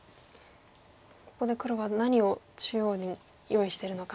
ここで黒は何を中央に用意してるのか。